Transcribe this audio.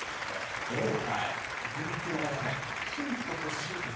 全然分かりません。